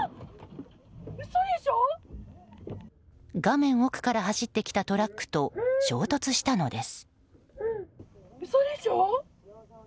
画面奥から走ってきたトラックと衝突したのです。